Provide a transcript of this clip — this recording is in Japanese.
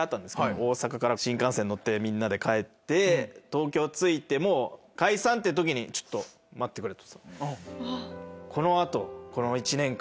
大阪から新幹線乗ってみんなで帰って東京着いて解散って時に「ちょっと待ってくれ」と。